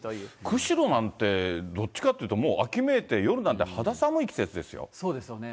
釧路なんて、どっちかっていうと、もう秋めいて夜なんて肌寒そうですよね。